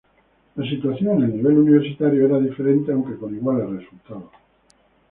La situación en el nivel universitario era diferente, aunque con iguales resultados.